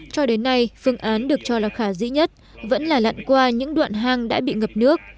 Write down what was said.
cho đến nay phương án được cho là khả dĩ nhất vẫn là lặn qua những đoạn hang đã bị ngập nước